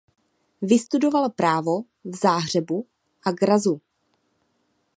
Vystudoval právo v Záhřebu a Grazu.